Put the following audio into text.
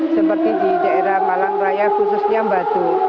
seperti di daerah malang raya khususnya batu